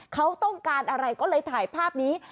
เขาต้องการอะไรก็เลยถ่ายภาพนี้